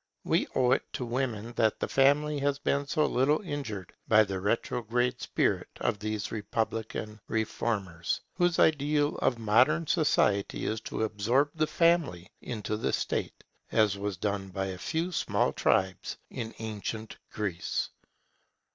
We owe it to women that the Family has been so little injured by the retrograde spirit of those republican reformers, whose ideal of modern society is to absorb the Family into the State, as was done by a few small tribes in ancient Greece.